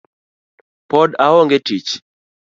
Pod aonge tich